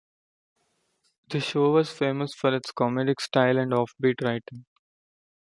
The show was famous for its comedic style and offbeat writing.